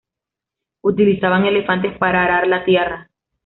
Utilizaban elefantes para arar la tierra.